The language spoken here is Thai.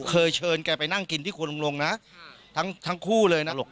เคยเชิญแกไปนั่งกินที่ครัวลุงลงนะทั้งคู่เลยนะลูก